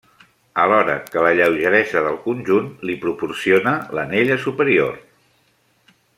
Alhora que la lleugeresa del conjunt li proporciona l'anella superior.